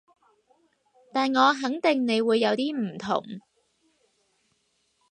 但我肯定你會有啲唔同